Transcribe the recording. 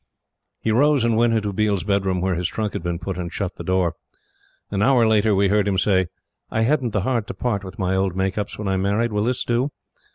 He rose and went into Biel's bedroom where his trunk had been put, and shut the door. An hour later, we heard him say: "I hadn't the heart to part with my old makeups when I married. Will this do?"